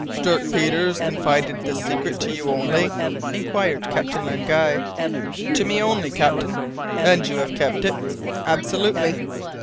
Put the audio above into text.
"Dirk Peters confided this secret to you only?" inquired Captain Len Guy. "To me only, captain." "And you have kept it?" "Absolutely."